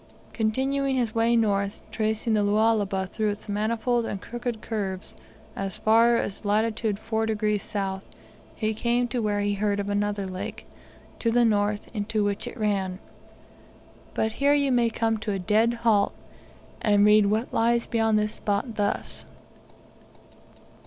Continuing his way north, tracing the Lualaba through its manifold and crooked curves as far as latitude 4 degrees south, he came to where he heard of another lake, to the north, into which it ran. But here you may come to a dead halt, and read what lies beyond this spot thus....